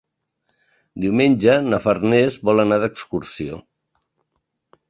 Diumenge na Farners vol anar d'excursió.